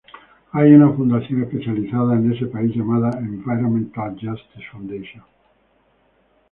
Hay una fundación especializada en ese país llamada "Environmental Justice Foundation".